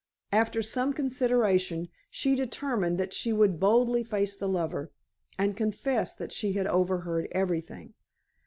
After some consideration, she determined that she would boldly face the lover, and confess that she had overheard everything.